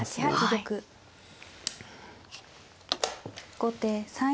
後手３一玉。